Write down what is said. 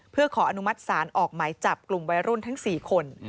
เพื่อขออนุมัติศาลออกหมายจับกลุ่มวัยรุ่นทั้ง๔คน